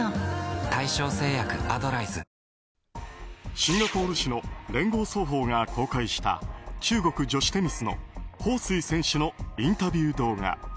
シンガポール紙の聯合早報が公開した中国、女子テニスのホウ・スイ選手のインタビュー動画。